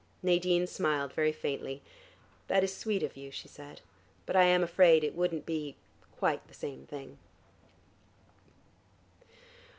Nadine smiled very faintly. "That is sweet of you," she said, "but I am afraid it wouldn't be quite the same thing."